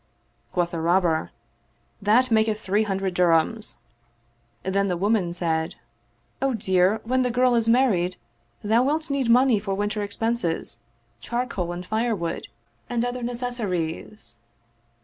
Quoth the Robber, " That maketh three hundred dirhams." Then the woman said, " O my dear, when the girl is married, thou wilt need money for winter expenses, charcoal and firewood and other necessaries."